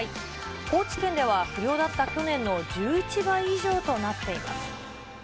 高知県では不漁だった去年の１１倍以上となっています。